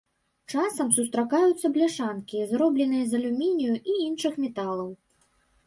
Часам сустракаюцца бляшанкі, зробленыя з алюмінію і іншых металаў.